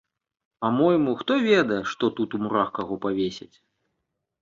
Па-мойму, хто ведае, што тут у мурах каго павесяць?